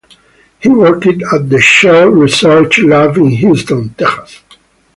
He worked at the Shell research lab in Houston, Texas.